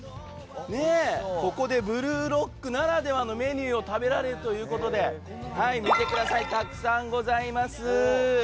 ここで「ブルーロック」ならではのメニューを食べられるということでたくさんございます。